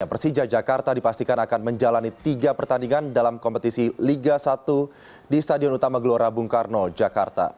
persija jakarta dipastikan akan menjalani tiga pertandingan dalam kompetisi liga satu di stadion utama gelora bung karno jakarta